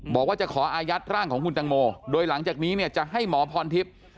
บอกว่าจะขออายัดร่างของคุณตังโมโดยหลังจากนี้เนี่ยจะให้หมอพรทิพย์